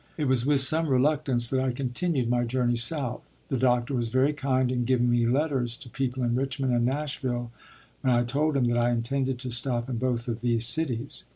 It was with some reluctance that I continued my journey south. The doctor was very kind in giving me letters to people in Richmond and Nashville when I told him that I intended to stop in both of these cities.